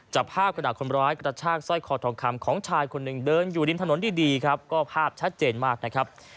จับภาพกระดาษคนร้ายกระชากสร้อยคอทองคำของชายคนหนึ่งเดินอยู่ริมถนนดีครับก็ภาพชัดเจนมากนะครับ